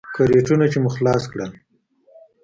کرېټونه چې مو خلاص کړل.